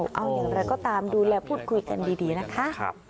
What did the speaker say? เอาอย่างไรก็ตามดูแลพูดคุยกันดีนะคะ